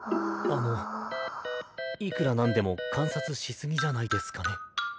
あのいくらなんでも観察し過ぎじゃないですかね？